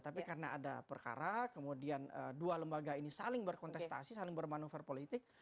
tapi karena ada perkara kemudian dua lembaga ini saling berkontestasi saling bermanuver politik